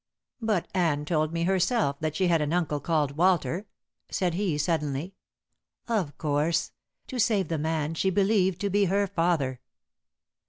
"But Anne told me herself that she had an uncle called Walter," said he suddenly. "Of course! To save the man she believed to be her father."